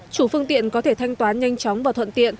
chủ phương tiện có thể thanh toán nhanh chóng và thuận tiện